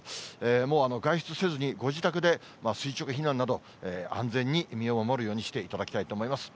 もう外出せずに、ご自宅で垂直避難など、安全に身を守るようにしていただきたいと思います。